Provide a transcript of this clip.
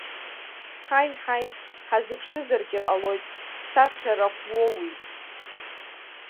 Ҳаи, ҳаи, ҳазыԥшызаргьы ҟалоит, саԥхьа рахә уоуит!